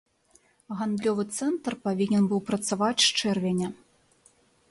Гандлёвы цэнтр павінен быў працаваць з чэрвеня.